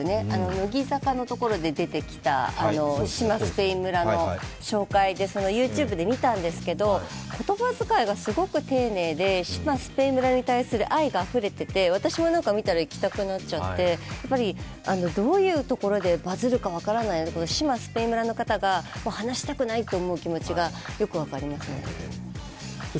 乃木坂のところで出てきた志摩スペイン村の紹介でＹｏｕＴｕｂｅで見たんですけど言葉遣いがすごく丁寧で志摩スペイン村に対する愛があふれていて私も見たら行きたくなっちゃって、どういうところでバズるか分からない、志摩スペイン村の方が離したくないと思う気持ちがよく分かります。